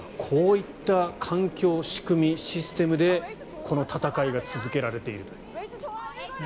こういった環境、仕組み、システムでこの戦いが続けられていると。